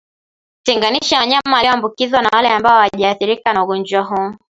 Tenganisha wanyama walioambukizwa na wale ambao hawajathirika na ugonjwa huu